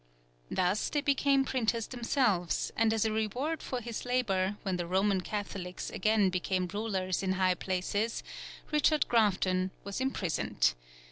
Thus they became printers themselves, and as a reward for his labour, when the Roman Catholics again became rulers in high places, Richard Grafton was imprisoned.